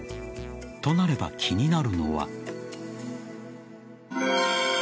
となれば、気になるのは。